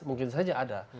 mungkin saja ada